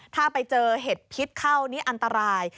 ถ้าไปเจอเห็ดพิษเข้านี่อันตราย